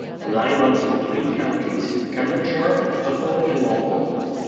The line runs through three counties: Cambridgeshire, Suffolk and Norfolk.